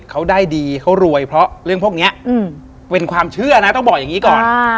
เขาได้ดีเขารวยเพราะเรื่องพวกนี้เป็นความเชื่อนะต้องบอกอย่างนี้ก่อน